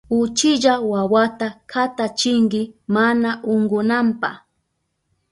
Uchilla wawata katachinki mana unkunanpa.